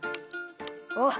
あっ！